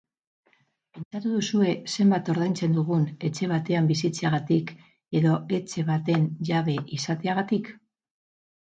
Pentsatu duzue zenbat ordaintzen dugun etxe batean bizitzeagatik edo etxe baten jabe izateagatik?